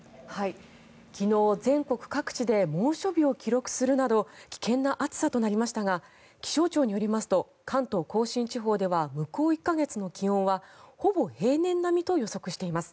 昨日、全国各地で猛暑日を記録するなど危険な暑さとなりましたが気象庁によりますと関東・甲信地方では向こう１か月の気温はほぼ平年並みと予測しています。